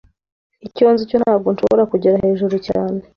Icyo nzi cyo ntabwo nshobora kugera hejuru cyane